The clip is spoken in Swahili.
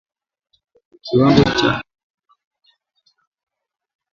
Kiwango cha maambukizi katika kundi la mifugo